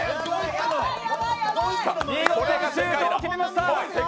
見事にシュートを決めました。